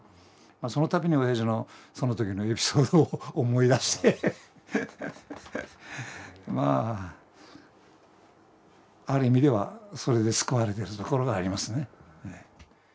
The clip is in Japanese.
そのたびに親父のその時のエピソードを思い出してある意味ではそれで救われているところがありますね。